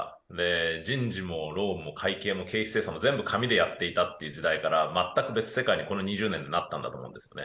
人事も労務も会計も経営システムも全部紙でやっていた時代から全く別世界に、この２０年でなったと思うんですね。